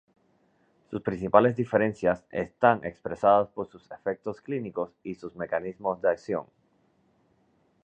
Sus principales diferencias están expresadas por sus efectos clínicos y sus mecanismos de acción.